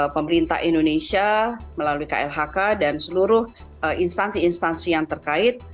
pemerintah indonesia melalui klhk dan seluruh instansi instansi yang terkait